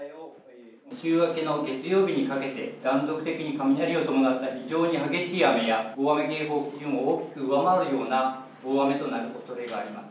週明けの月曜日にかけて、断続的に雷を伴った非常に激しい雨や、大雨警報基準を大きく上回るような大雨となるおそれがあります。